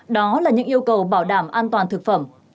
đó là những yêu cầu bảo đảm an toàn thực phẩm